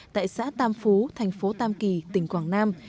tại xã tam phú thành phố tam kỳ tỉnh quảng nam